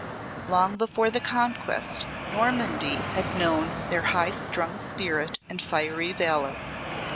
Long before the Conquest, Normandy had known their high strung spirit and fiery valour.